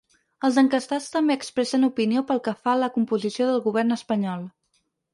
Els enquestats també expressen opinió pel que fa a la composició del govern espanyol.